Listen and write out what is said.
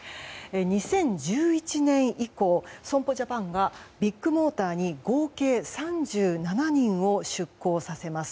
２０１１年以降損保ジャパンがビッグモーターに合計３７人を出向させます。